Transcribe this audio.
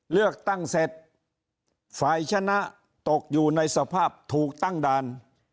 เลือกตั้งเสร็จฝ่ายชนะตกอยู่ในสภาพถูกตั้งด่าน